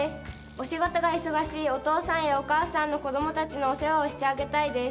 お仕事が忙しいお父さんやお母さんの子供たちのお世話をしてあげたいです。